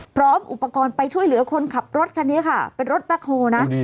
พร้อมอุปกรณ์ไปช่วยเหลือคนขับรถคันนี้ค่ะเป็นรถแบ็คโฮลนะ